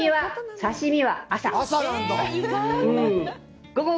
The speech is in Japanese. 刺身は朝！